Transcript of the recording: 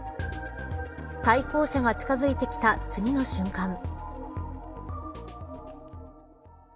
対向車が近づいてきた次の瞬間。